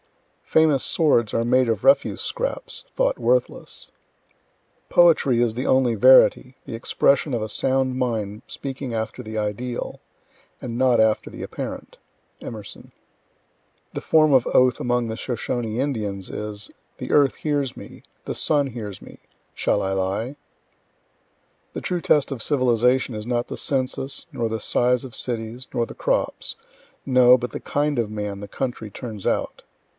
_ Famous swords are made of refuse scraps, thought worthless. Poetry is the only verity the expression of a sound mind speaking after the ideal and not after the apparent. Emerson. The form of oath among the Shoshone Indians is, "The earth hears me. The sun hears me. Shall I lie?" The true test of civilization is not the census, nor the size of cities, nor the crops no, but the kind of a man the country turns out.